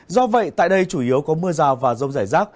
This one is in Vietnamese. do vậy tại đây chủ yếu có mưa rào và rông rải rác